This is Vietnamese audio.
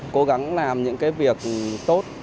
cố gắng làm những cái việc tốt